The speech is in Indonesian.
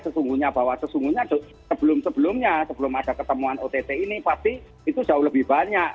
sesungguhnya bahwa sesungguhnya sebelum sebelumnya sebelum ada ketemuan ott ini pasti itu jauh lebih banyak